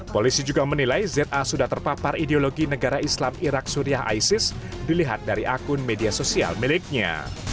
polisi juga menilai za sudah terpapar ideologi negara islam irak suriah isis dilihat dari akun media sosial miliknya